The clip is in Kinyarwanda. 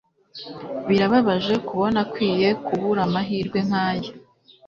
Birababaje kubona akwiye kubura amahirwe nkaya.